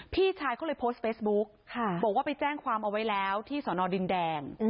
พี่ชายเขาเลยโพสต์เฟซบุ๊กบอกว่าไปแจ้งความเอาไว้แล้วที่สอนอดินแดง